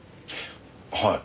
はい。